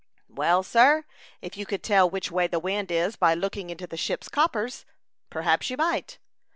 "Well, sir, if you could tell which way the wind is by looking into the ship's coppers, perhaps you might."